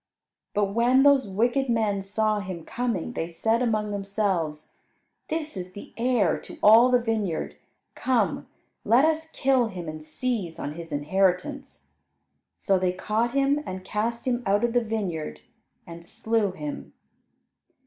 But when those wicked men saw him coming, they said among themselves, "This is the heir to all the vineyard; come, let us kill him and seize on his inheritance." So they caught him, and cast him out of the vineyard, and slew him.